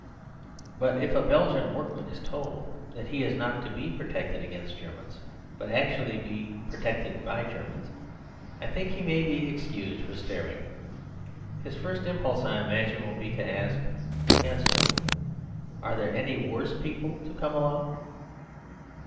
But if a Belgian workman is told that he is not to be protected against Germans, but actually to be protected by Germans, I think he may be excused for staring. His first impulse, I imagine, will be to ask, "Against whom? Are there any worse people to come along?"